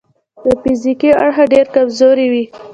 د فزیکي اړخه ډېر کمزوري وي.